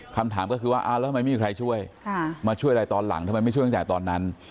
คำถามก็คือว่าเอาละมันไม่มีครัยช่วยมาช่วยอะไรตอนหลังทำไมไม่ช่วยหรือแต่ตอนนั้น